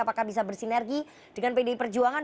akan bisa bersinergi dengan pd perjuangan